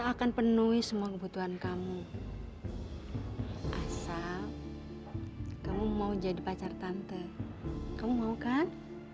akan penuhi semua kebutuhan kamu asal kamu mau jadi pacar tante kamu mau kan